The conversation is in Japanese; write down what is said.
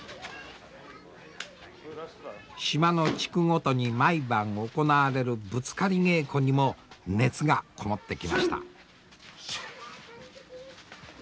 島の地区ごとに毎晩行われるぶつかり稽古にも熱がこもってきました。